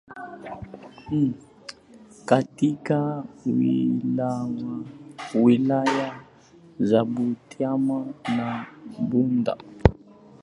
katika wilaya za Butiama na Bunda